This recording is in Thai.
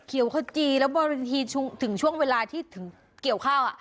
เขียวขจีแล้วบางทีถึงช่วงเวลาที่เกี่ยวข้าวอะ